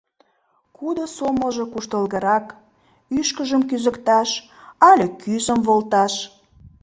— Кудо сомылжо куштылгырак: ӱшкыжым кӱзыкташ але кӱзым волташ?